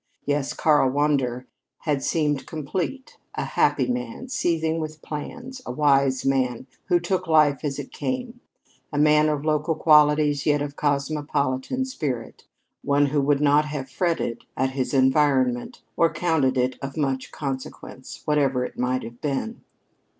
Yes, Karl Wander had seemed complete a happy man, seething with plans, a wise man who took life as it came; a man of local qualities yet of cosmopolitan spirit one who would not have fretted at his environment or counted it of much consequence, whatever it might have been.